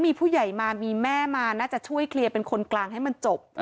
มีผู้ใหญ่มามีแม่มาน่าจะช่วยเคลียร์เป็นคนกลางให้มันจบ